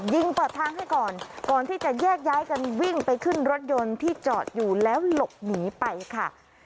เปิดทางให้ก่อนก่อนที่จะแยกย้ายกันวิ่งไปขึ้นรถยนต์ที่จอดอยู่แล้วหลบหนีไปค่ะ